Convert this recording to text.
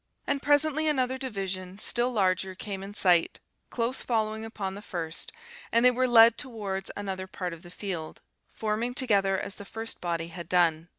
And presently another division, still larger, came in sight, close following upon the first, and they were led towards another part of the field, forming together as the first body had done.